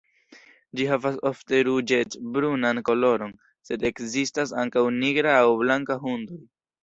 Ĝi havas ofte ruĝec-brunan koloron, sed ekzistas ankaŭ nigra aŭ blanka hundoj.